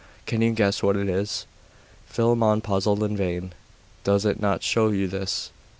Can you guess what it is?' Philammon puzzled in vain. 'Does it not show you this?